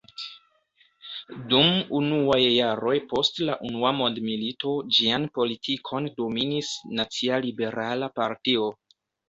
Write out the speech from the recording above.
Dum unuaj jaroj post la unua mondmilito ĝian politikon dominis Nacia Liberala Partio.